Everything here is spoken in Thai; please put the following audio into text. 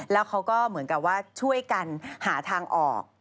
แล้วเขาก็เหมือนกับว่าช่วยกันหาทางออก